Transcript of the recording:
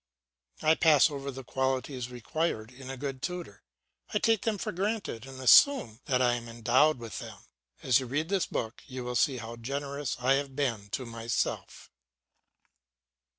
I pass over the qualities required in a good tutor; I take them for granted, and assume that I am endowed with them. As you read this book you will see how generous I have been to myself.